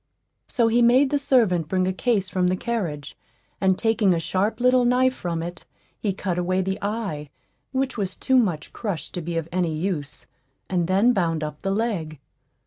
So he made the servant bring a case from the carriage, and taking a sharp little knife from it, he cut away the eye, which was too much crushed to be of any use, and then bound up the leg.